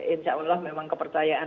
insya allah memang kepercayaan